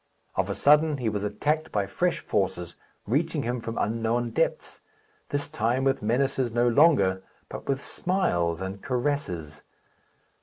Of a sudden he was attacked by fresh forces, reaching him from unknown depths; this time, with menaces no longer, but with smiles and caresses.